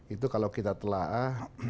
itu kalau kita telah